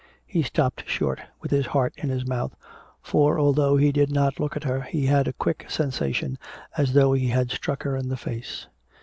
He stopped short, with his heart in his mouth, for although he did not look at her he had a quick sensation as though he had struck her in the face.